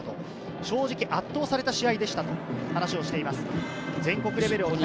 正直、圧倒された試合でしたと話をしていました。